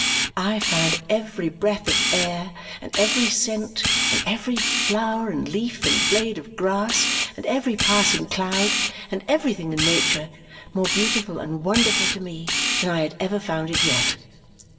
I found every breath of air, and every scent, and every flower and leaf and blade of grass, and every passing cloud, and everything in nature, more beautiful and wonderful to me than I had ever found it yet.